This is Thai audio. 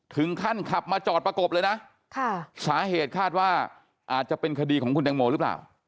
ถึงขั้นขับมาจอดประกบเลยนะสาเหตุคาดว่าอาจจะเป็นคดีของคุณแตงโมหรือเปล่า